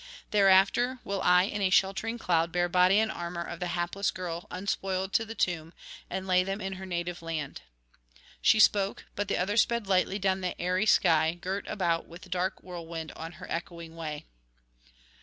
Thereafter will I in a sheltering cloud bear body and armour of the hapless girl unspoiled to the tomb, and lay them in her native land.' She spoke; but the other sped lightly down the aery sky, girt about with dark whirlwind on her echoing way.